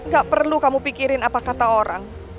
gak perlu kamu pikirin apa kata orang